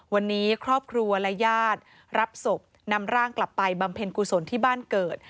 วันนี้ครอบครัวและญาติรับศพนำร่างกลับไปบำเพ็ญกุศลที่บ้านเกิด